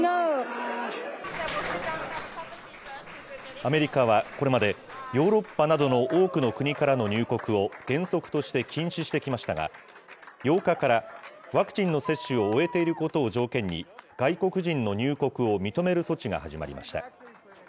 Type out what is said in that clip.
アメリカはこれまで、ヨーロッパなどの多くの国からの入国を原則として禁止してきましたが、８日から、ワクチンの接種を終えていることを条件に、外国人の入国を認める措置が始まりました。